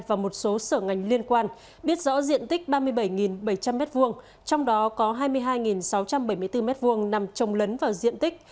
và một số sở ngành liên quan biết rõ diện tích ba mươi bảy bảy trăm linh m hai trong đó có hai mươi hai sáu trăm bảy mươi bốn m hai nằm trồng lấn vào diện tích